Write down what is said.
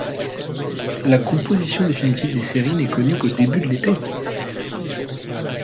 La composition définitive des séries n'est connue qu'au début de l'été.